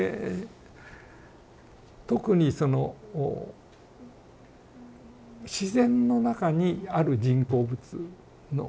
特にその自然の中にある人工物の。